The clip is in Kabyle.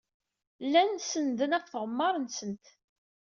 Llan sennden ɣef tɣemmar-nsent.